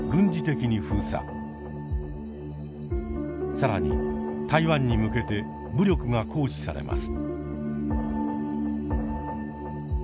更に台湾に向けて武力が行使されます。